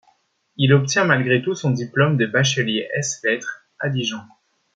Il obtient malgré tout son diplôme de bachelier ès-lettres à Dijon.